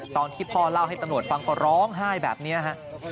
ตอนที่พ่อเล่าให้ตำรวจฟังก็ร้องไห้แบบนี้ฮะ